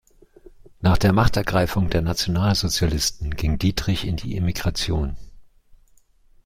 Nach der „Machtergreifung“ der Nationalsozialisten ging Dietrich in die Emigration.